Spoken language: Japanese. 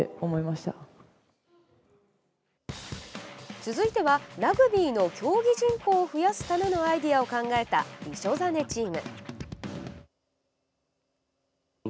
続いては、ラグビーの競技人口を増やすためのアイデアを考えたりしょざねチーム。